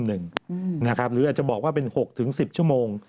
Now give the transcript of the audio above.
หรืออาจจะบอกว่าเป็น๖๑๐ชั่วโมง